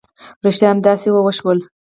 ريښتيا همداسې هم وشول.